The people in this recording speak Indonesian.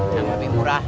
yang lebih murah